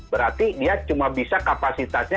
berarti dia cuma bisa kapasitasnya